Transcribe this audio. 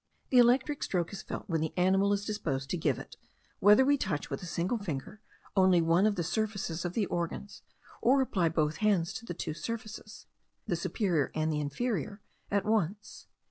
The electric stroke is felt, when the animal is disposed to give it, whether we touch with a single finger only one of the surfaces of the organs, or apply both hands to the two surfaces, the superior and inferior, at once.